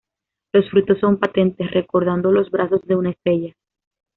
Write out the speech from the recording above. Los frutos son patentes, recordando los brazos de una estrella.